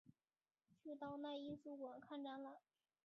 去当代艺术馆看展览